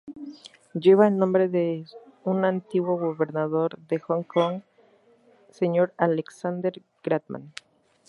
Lleva el nombre de un antiguo gobernador de Hong Kong, Sir "Alexander Grantham".